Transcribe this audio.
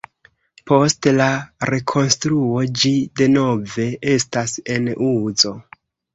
Post la rekonstruo ĝi denove estas en uzo.